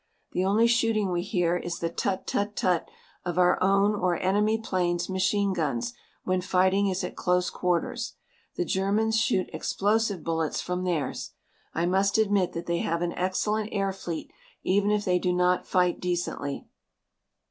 The only shooting we hear is the tut tut tut of our own or enemy plane's machine guns when fighting is at close quarters. The Germans shoot explosive bullets from theirs. I must admit that they have an excellent air fleet even if they do not fight decently.